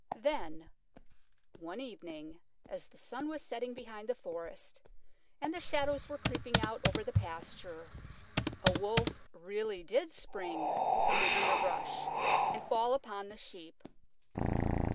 Then one evening as the sun was setting behind the forest and the shadows were creeping out over the pasture, a Wolf really did spring from the underbrush and fall upon the Sheep.